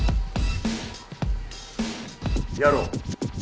やろう。